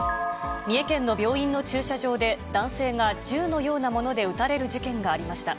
三重県の病院の駐車場で、男性が銃のようなもので撃たれる事件がありました。